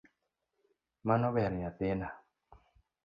Mano ber nyathina.